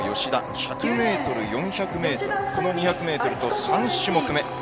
１００ｍ４００ｍこの２００ｍと３種目目です。